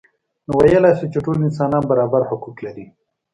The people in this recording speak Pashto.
نو ویلای شو چې ټول انسانان برابر حقوق لري.